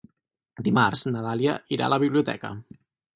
Dimarts na Dàlia irà a la biblioteca.